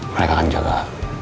mereka akan jaga